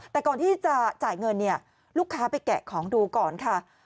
แต่ก่อนที่จะจ่ายเงินเนี่ยลูกค้าไปแกะของดูก่อนค่ะ